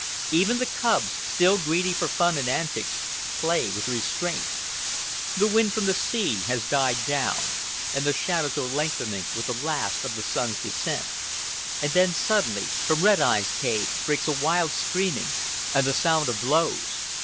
Even the cubs, still greedy for fun and antics, play with restraint. The wind from the sea has died down, and the shadows are lengthening with the last of the sun's descent. And then, suddenly, from Red Eye's cave, breaks a wild screaming and the sound of blows.